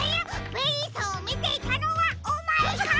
ベリーさんをみていたのはおまえか！